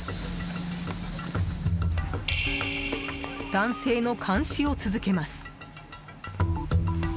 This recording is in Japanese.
男性の監視を続けます。